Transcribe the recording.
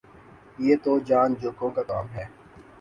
یہ تو جان جو کھوں کا کام ہے